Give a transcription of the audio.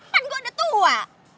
kan gua udah tua